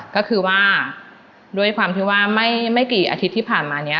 ก็คือว่าด้วยความที่ว่าไม่กี่อาทิตย์ที่ผ่านมาเนี่ย